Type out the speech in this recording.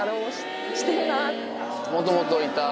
もともといた子に。